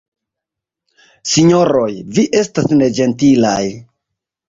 Sinjoroj, vi estas neĝentilaj.